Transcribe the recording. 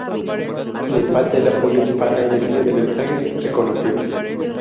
Le falta el apoyo para el envío de mensajes reconoció.